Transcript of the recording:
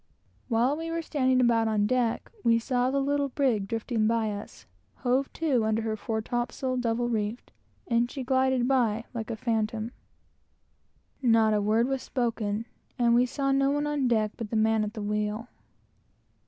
While we were standing about on deck, we saw the little brig drifting by us, hove to under her fore topsail double reefed; and she glided by like a phantom. Not a word was spoken, and we saw no one on deck but the man at the wheel.